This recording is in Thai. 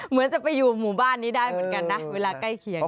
เหมือนจะไปอยู่หมู่บ้านนี้ได้เหมือนกันนะเวลาใกล้เคียง